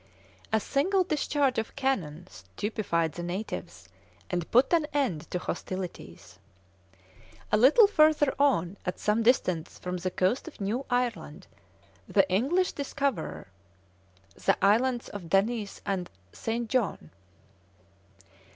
A single discharge of cannon stupefied the natives, and put an end to hostilities. A little further on, at some distance from the coast of New Ireland, the English discover the Islands of Denis and St. John.